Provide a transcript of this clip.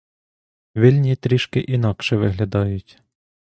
Вільні трішки інакше виглядають.